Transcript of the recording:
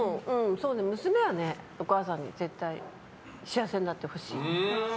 娘はね、お母さんに絶対に幸せになってほしいって。